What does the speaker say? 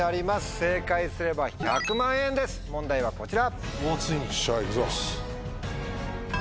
正解すれば１００万円です問題はこちら。